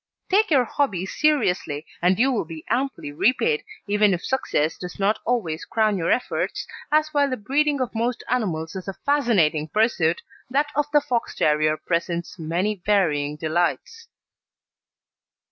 Take your hobby seriously, and you will be amply repaid, even if success does not always crown your efforts, as while the breeding of most animals is a fascinating pursuit, that of the Fox terrier presents many varying delights.